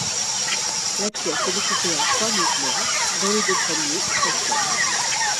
La pièce est découpée en trois mouvements, dont les deux premiers s'enchaînent.